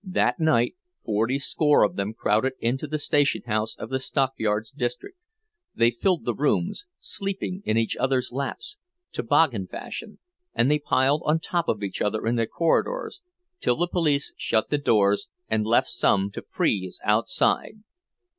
That night forty score of them crowded into the station house of the stockyards district—they filled the rooms, sleeping in each other's laps, toboggan fashion, and they piled on top of each other in the corridors, till the police shut the doors and left some to freeze outside.